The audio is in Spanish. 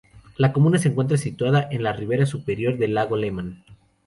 La comuna se encuentra situada en la ribera superior del lago Lemán.